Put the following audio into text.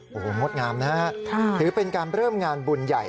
โอ้โหงดงามนะฮะถือเป็นการเริ่มงานบุญใหญ่